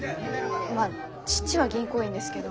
まあ父は銀行員ですけど。